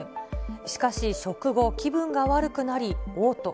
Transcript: しかし、食後、気分が悪くなりおう吐。